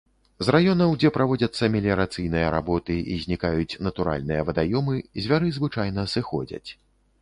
З раёнаў, дзе праводзяцца меліярацыйныя работы і знікаюць натуральныя вадаёмы, звяры звычайна сыходзяць.